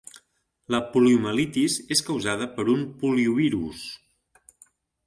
La poliomielitis és causada per un poliovirus.